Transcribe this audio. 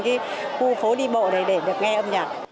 cái khu phố đi bộ này để được nghe âm nhạc